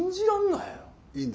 いいんだ。